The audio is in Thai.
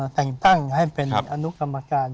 แต่งตั้งให้เป็นอนุกรรมการ